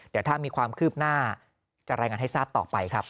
เดี๋ยวถ้ามีความคืบหน้าจะรายงานให้ทราบต่อไปครับ